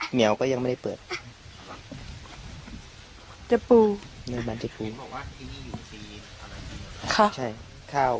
เหงาก็ยังไม่เปิดใจปูในบ้านใจปูที่อยู่ค่ะใช่ข้าว